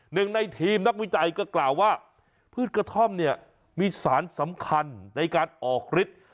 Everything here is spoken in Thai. หนึ่งในทีมนักวิจัยก็กล่าวว่าพืชกระท่อมเนี่ยมีสารสำคัญในการออกฤทธิ์